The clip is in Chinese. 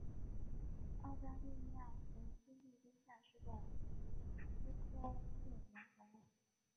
澳大利亚和菲律宾大使馆位于斯科特圆环。